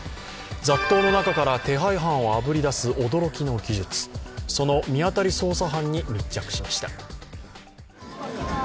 雑踏の中から手配犯をあぶり出す驚きの技術、その見当たり捜査班に密着しました。